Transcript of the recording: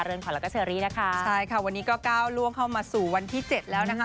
ขวัญแล้วก็เชอรี่นะคะใช่ค่ะวันนี้ก็ก้าวล่วงเข้ามาสู่วันที่เจ็ดแล้วนะคะ